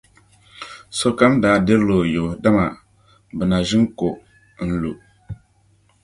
Sokam daa dirila o yubu, dama bɛ na ʒi n-ko n-lu.